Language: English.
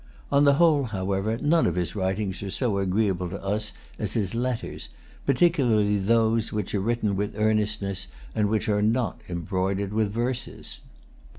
On the whole, however, none of his writings are so agreeable to us as his Letters, particularly those which are written with earnestness, and are not embroidered with verses.